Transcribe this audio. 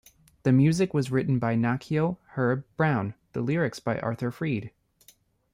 The music was written by Nacio Herb Brown, the lyrics by Arthur Freed.